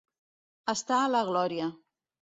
Estar a la glòria.